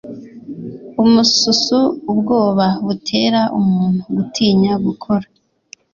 umususu ubwoba butera umuntu gutinya gukora